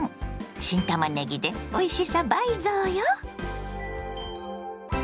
新たまねぎでおいしさ倍増よ！